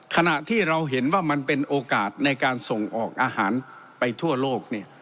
ขณะที่เราเห็นว่ามันเป็นโอกาสในการส่งออกอาหารไปทั่วโลก